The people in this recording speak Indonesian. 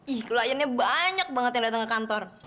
ih kliennya banyak banget yang datang ke kantor